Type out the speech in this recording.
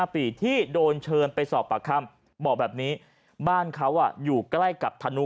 ปีที่โดนเชิญไปสอบปากคำบอกแบบนี้บ้านเขาอยู่ใกล้กับธนุ